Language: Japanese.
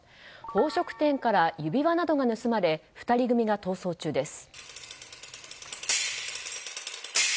宝飾店から指輪などが盗まれ２人組が逃走中です。